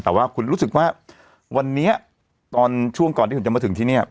แต่ว่าคุณรู้สึกว่าวันนี้ตอนช่วงก่อนที่คุณจะมาถึงที่เนี่ย